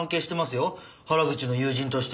原口の友人として。